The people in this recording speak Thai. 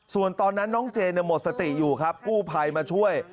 ส่วนตอนนั้นน้องเจนหมดสติอยู่ครับกู้ภัยมาช่วย